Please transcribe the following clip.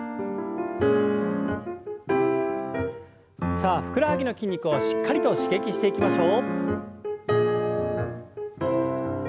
さあふくらはぎの筋肉をしっかりと刺激していきましょう。